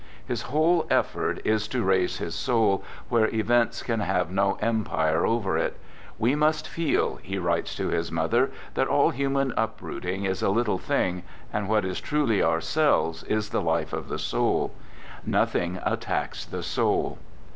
His whole effort is to raise his soul where events can have no empire over it. " We must feel," he writes to his mother, " that all human uprooting is a little thing, and what is truly ourselves is the life of the soul. ... Nothing attacks the soul."